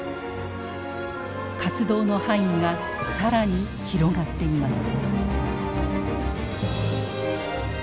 活動の範囲が更に広がっています。